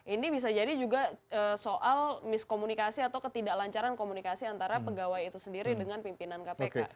ini bisa jadi juga soal miskomunikasi atau ketidaklancaran komunikasi antara pegawai itu sendiri dengan pimpinan kpk